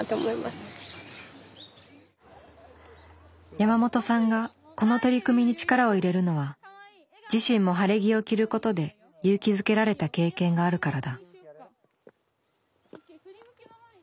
山本さんがこの取り組みに力を入れるのは自身も晴れ着を着ることで勇気づけられた経験があるからだ。